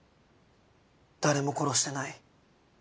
誰も殺してない。